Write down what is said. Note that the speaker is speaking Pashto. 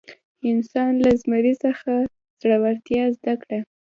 انسان له زمري څخه زړورتیا زده کړه.